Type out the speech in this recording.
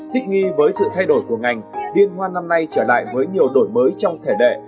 thích nghi với sự thay đổi của ngành liên hoan năm nay trở lại với nhiều đổi mới trong thể đệ